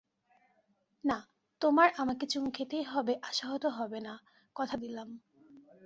না, তোমার আমাকে চুমু খেতেই হবে আশাহত হবে না, কথা দিলাম।